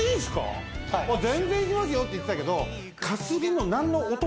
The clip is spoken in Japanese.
全然いきますよって言ってたけどかすりも。